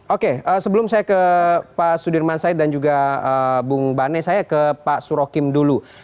oke sebelum saya ke pak sudirman said dan juga bung bane saya ke pak surokim dulu